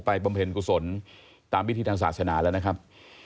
บำเพ็ญกุศลตามพิธีทางศาสนาแล้วนะครับ